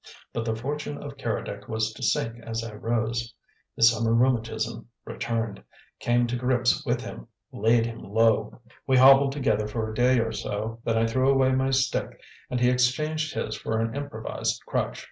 But the fortune of Keredec was to sink as I rose. His summer rheumatism returned, came to grips with him, laid him low. We hobbled together for a day or so, then I threw away my stick and he exchanged his for an improvised crutch.